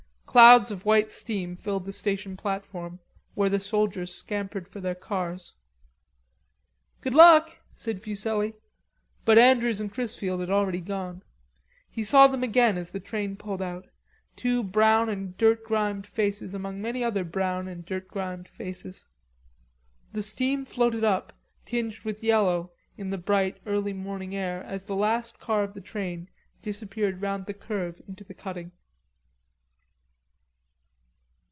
Clouds of white steam filled the station platform, where the soldiers scampered for their cars. "Good luck!" said Fuselli; but Andrews and Chrisfield had already gone. He saw them again as the train pulled out, two brown and dirt grimed faces among many other brown and dirt grimed faces. The steam floated up tinged with yellow in the bright early morning air as the last car of the train disappeared round the curve into the cutting.